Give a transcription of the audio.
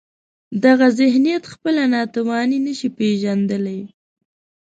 دغه ذهنیت خپله ناتواني نشي پېژندلای.